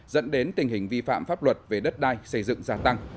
dẫn đến tình hình vi phạm pháp luật về đất đai xây dựng gia tăng